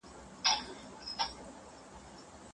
په زر کاله یې یو قدم پر مخ نه دی اخیستی